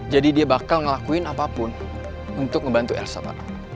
jadi dia bakal ngelakuin apapun untuk ngebantu elsa pak